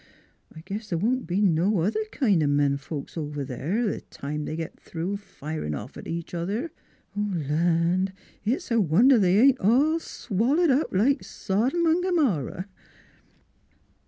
I guess th' won't be no other kind o' men folks over there, time they git through a firin' off at each other. ... Land! it's a wonder they ain't all swallered up like Sodom 'n' G'morrah